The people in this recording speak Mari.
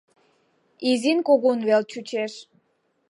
Изин-кугун вел чучеш;